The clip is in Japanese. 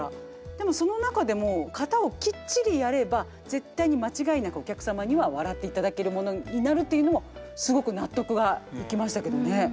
でもその中でも型をきっちりやれば絶対に間違いなくお客様には笑っていただけるものになるっていうのもすごく納得がいきましたけどね。